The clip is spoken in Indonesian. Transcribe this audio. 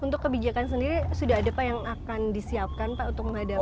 untuk kebijakan sendiri sudah ada pak yang akan disiapkan pak untuk menghadapi